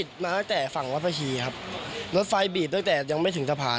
ผมนั่งเล่นกับพวกผีครับนั่งเล่นเกมกัน